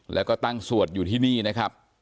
แล้วก็ตั้งสวดอยู่ที่นี่นะครับ